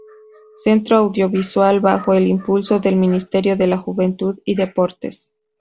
Centro Audiovisual bajo el impulso del Ministerio de la Juventud y Deportes.